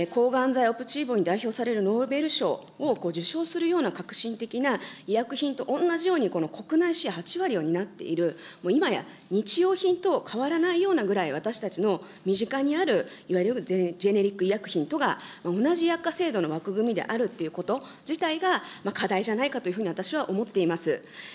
抗がん剤に代表されるノーベル賞を受賞するような革新的な医薬品と同じように、国内シェア８割を担っている、今や日用品と変わらないようなぐらい私たちの身近にある、いわゆるジェネリック医薬品等が同じ薬価制度の枠組みであるということ自体が、課題じゃないかというふうに私は思っています。